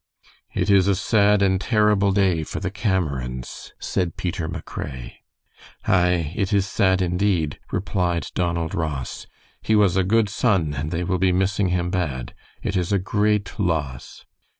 "It is a sad and terrible day for the Camerons," said Peter McRae. "Aye, it is sad, indeed," replied Donald Ross. "He was a good son and they will be missing him bad. It is a great loss."